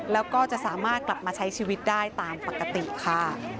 แล้วก็จะสามารถกลับมาใช้ชีวิตได้ตามปกติค่ะ